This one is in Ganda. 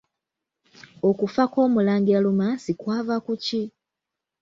Okufa kw'Omulangira Lumansi kwava ku ki?